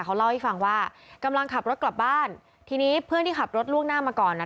เขาเล่าให้ฟังว่ากำลังขับรถกลับบ้านทีนี้เพื่อนที่ขับรถล่วงหน้ามาก่อนอ่ะ